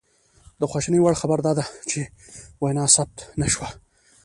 د خواشینۍ وړ خبره دا ده چې وینا ثبت نه شوه